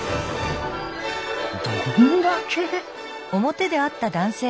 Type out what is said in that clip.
どんだけ！？